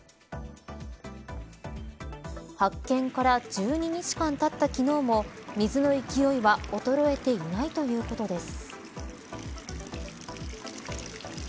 発見から１２日間たった昨日も水の勢いは衰えていないということです。